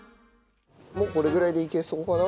もうこれぐらいでいけそうかな？